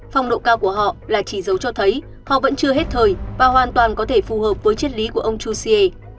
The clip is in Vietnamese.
phong độ cao của họ là chỉ dấu cho thấy họ vẫn chưa hết thời và hoàn toàn có thể phù hợp với chất lý của ông jose